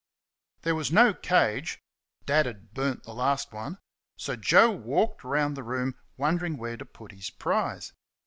There was no cage Dad had burnt the last one so Joe walked round the room wondering where to put his prize.